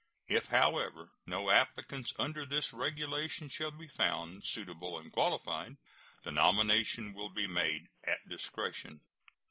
If, however, no applicants under this regulation shall be found suitable and qualified, the nomination will be made at discretion.